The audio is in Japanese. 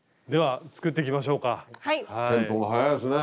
テンポが速いですね。